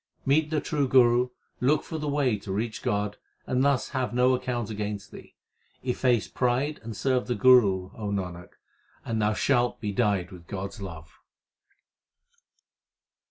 Meet the true Guru, look for the way To reach God, and thus have no account against thee. Efface pride and serve the Guru, O Nanak, and thou shalt be dyed with God s love.